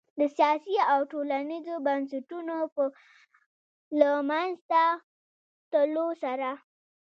د سیاسي او ټولنیزو بنسټونو په له منځه تلو سره